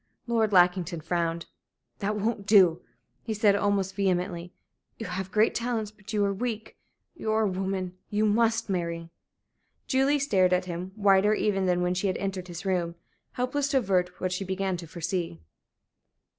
Lord Lackington frowned. "That won't do," he said, almost vehemently. "You have great talents, but you are weak you are a woman you must marry." Julie stared at him, whiter even than when she had entered his room helpless to avert what she began to foresee.